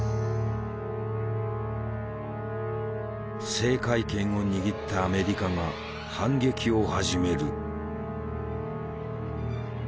制海権を握ったアメリカが反撃を始める。